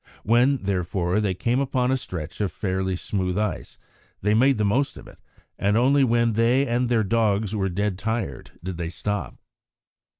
When, therefore, they came upon a stretch of fairly smooth ice, they made the most of it, and only when they and their dogs were dead tired did they stop.